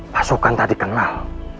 pasukan tak dikenal